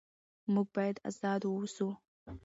موږ باید ازاد واوسو.